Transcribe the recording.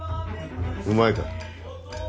うまいか？